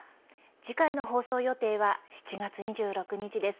次回の放送予定は７月２６日です。